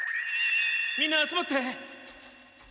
みんな集まって。